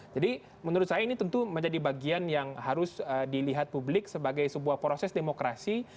jadi menurut saya ini tentu menjadi bagian yang harus dilihat publik sebagai sebuah proses demokrasi